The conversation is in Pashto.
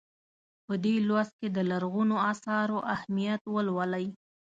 په دې لوست کې د لرغونو اثارو اهمیت ولولئ.